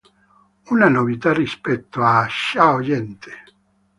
Una novità rispetto a "Ciao gente!